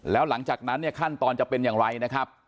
แล้วหลังจากนั้นเนี่ยขั้นตอนจะเป็นอย่างไรนะครับ